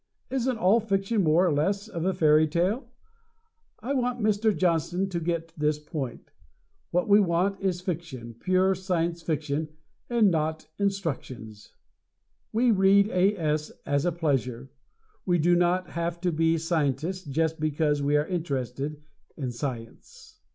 Isn't all fiction more or less of a fairy tale? I want Mr. Johnston to get this point: what we want is fiction, pure Science Fiction and not instructions. We read A. S. as a pleasure. We do not have to be scientists just because we are interested in science!